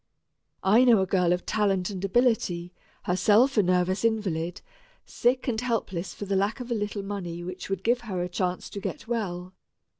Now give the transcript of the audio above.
I know a girl of talent and ability herself a nervous invalid sick and helpless for the lack of a little money which would give her a chance to get well.